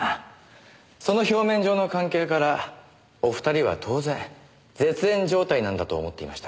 その表面上の関係からお二人は当然絶縁状態なんだと思っていました。